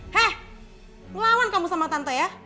hei ngelawan kamu sama tante ya